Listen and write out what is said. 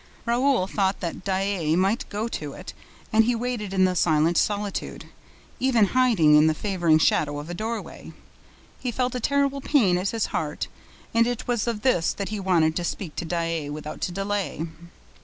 Raoul thought that Daae might go to it and he waited in the silent solitude, even hiding in the favoring shadow of a doorway. He felt a terrible pain at his heart and it was of this that he wanted to speak to Daae without delay.